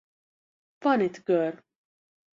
Van itt gör.